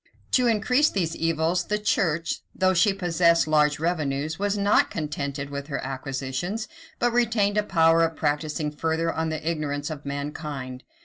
To increase these evils, the Church, though she possessed large revenues, was not contented with her acquisitions, but retained a power of practising further on the ignorance of mankind.